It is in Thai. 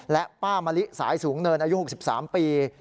และป้ามะลิสายสูงเนินอายุ๖๓ปี